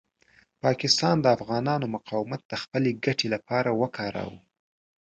پاکستان د افغانانو مقاومت د خپلې ګټې لپاره وکاروه.